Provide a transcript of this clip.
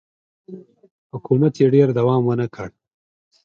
حکومت یې ډېر دوام ونه کړ